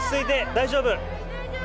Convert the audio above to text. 大丈夫。